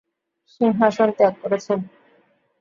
সিংহাসন ত্যাগ করেছেন?